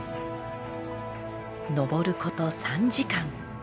登ること３時間。